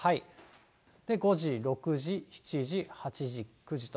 ５時、６時、７時、８時、９時と。